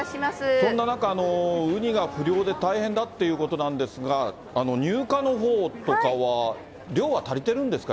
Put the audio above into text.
そんな中、ウニが不漁で大変だっていうことなんですが、入荷のほうとかは、量は足りてるんですか？